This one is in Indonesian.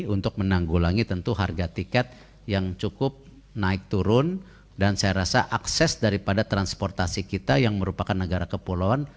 untuk menanggulangi tentu harga tiket yang cukup naik turun dan saya rasa akses daripada transportasi kita yang merupakan negara kepulauan